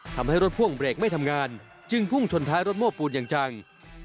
ทำให้รถพ่วงเบรกไม่ทำงานจึงพุ่งชนท้ายรถโม้ปูนอย่างจัง